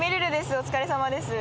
お疲れさまです。